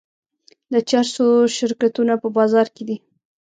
د چرسو شرکتونه په بازار کې دي.